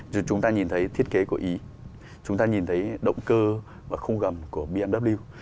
dù chúng ta nhìn thấy thiết kế của ý chúng ta nhìn thấy động cơ và khung gầm của bmw